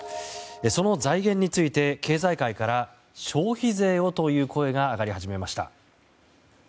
その財源について経済界から消費税をという声が上がり始めました。